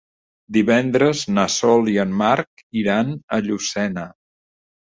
Divendres na Sol i en Marc iran a Llucena.